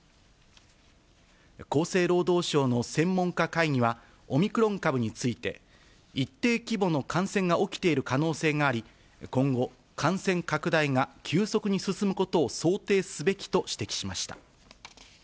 厚生労働省の専門家会議は、オミクロン株について、一定規模の感染が起きている可能性があり、今後感染拡大が急速に進むことを想定すべきと指摘しました。